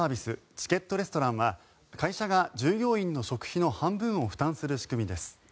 チケットレストランは会社が従業員の食費の半分を負担する仕組みです。